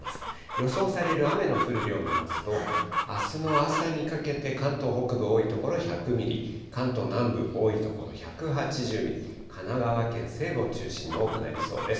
予想される雨の降る量見ますと、あすの朝にかけて、関東北部、多い所１００ミリ、関東南部、多い所１８０ミリ、神奈川県西部を中心に多くなりそうです。